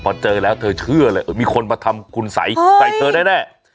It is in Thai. พอเจอแล้วเธอเชื่อเลยมีคนมาทำคุณสัยใส่เธอแน่